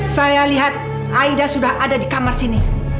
saya lihat aida sudah ada di kamar sini